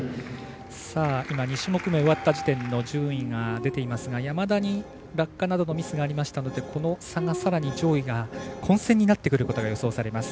２種目め終わった時点の順位が出ていますが、山田に落下などのミスがありましたのでこの差がさらに上位が混戦になってくることが予想されます。